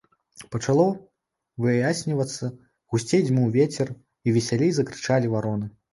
Пачало выяснівацца, гусцей дзьмуў вецер, і весялей закрычалі вароны.